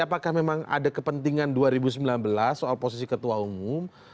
apakah memang ada kepentingan dua ribu sembilan belas soal posisi ketua umum